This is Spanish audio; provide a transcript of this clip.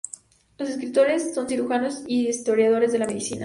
Los escritores son cirujanos y historiadores de la medicina.